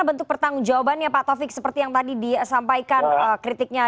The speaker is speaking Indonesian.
artinya masih didiskusikan